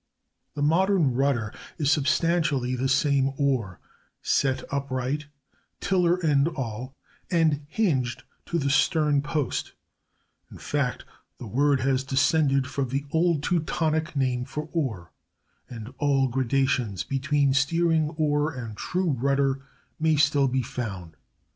The modern rudder is substantially the same oar, set upright, tiller and all, and hinged to the stern post; in fact, the word has descended from the old Teutonic name for "oar," and all gradations between steering oar and true rudder may still be found.